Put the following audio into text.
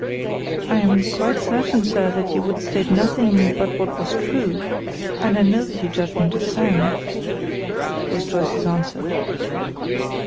"I am quite certain, sir, that you would state nothing but what was true, and I know that your judgment is sound," was Joyce's answer.